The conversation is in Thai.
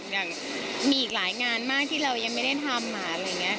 มีอีกหลายงานมากที่เรายังไม่ได้ทำมา